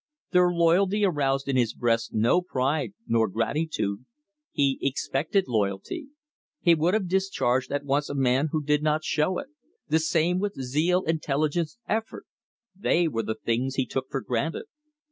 Their loyalty aroused in his breast no pride nor gratitude. He expected loyalty. He would have discharged at once a man who did not show it. The same with zeal, intelligence, effort they were the things he took for granted.